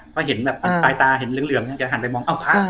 เพราะเห็นแบบปลายตาเห็นเหลืองเหลืองน่ะแกหันไปมองเอ้าพระ